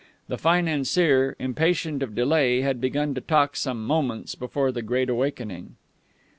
The financier, impatient of delay, had begun to talk some moments before the great awakening.